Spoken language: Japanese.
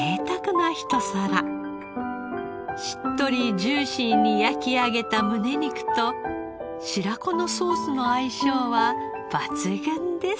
しっとりジューシーに焼き上げたむね肉と白子のソースの相性は抜群です。